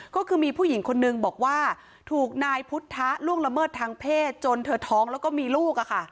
ก็คือมีผู้หญิงคนนึงบอกว่าถูกนายพุทธะล่วงละเมิดทางเพศจนเธอท้องแล้วก็มีลูก